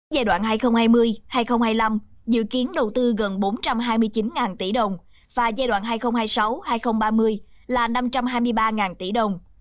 giai đoạn hai nghìn hai mươi hai nghìn hai mươi năm dự kiến đầu tư gần bốn trăm hai mươi chín tỷ đồng và giai đoạn hai nghìn hai mươi sáu hai nghìn ba mươi là năm trăm hai mươi ba tỷ đồng